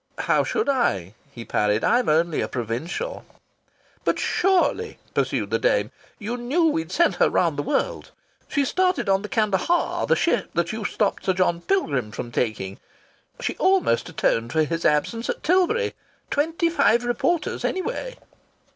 "How should I?" he parried. "I'm only a provincial." "But surely," pursued the dame, "you knew we'd sent her round the world. She started on the Kandahar, the ship that you stopped Sir John Pilgrim from taking. She almost atoned for his absence at Tilbury. Twenty five reporters, anyway!"